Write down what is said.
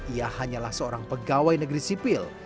ia hanyalah seorang pegawai negeri sipil